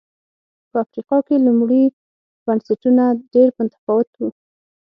په افریقا کې لومړي بنسټونه ډېر متفاوت و